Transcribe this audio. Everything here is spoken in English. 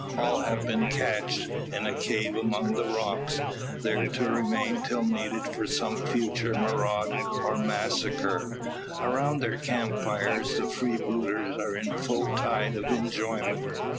All have been "cached" in a cave among the rocks; there to remain till needed for some future maraud, or massacre. Around their camp fire the freebooters are in full tide of enjoyment.